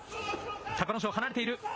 隆の勝、離れている。